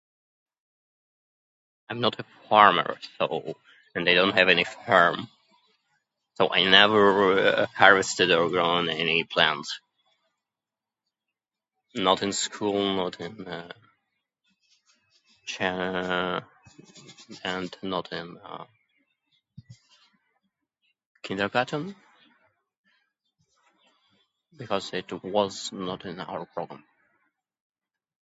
I'm not a farmer, so I mean I don't have any farm. So i never harvested or grown any plants. Not in school, not [unintelligible] and not in kindergarten? Because [unintelligible] [unintelligible]